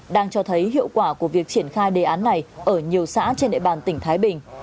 đang cho thấy hiệu quả của việc triển khai đề án này ở nhiều xã trên địa bàn tỉnh thái bình